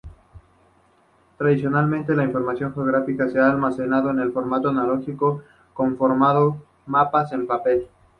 Tradicionalmente la Información Geográfica se ha "almacenado" en formato analógico conformando mapas en papel.